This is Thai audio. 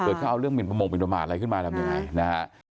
เผื่อเขาเอาเรื่องหมินประมงหมินประมาณอะไรขึ้นมาแล้วยังไงนะครับ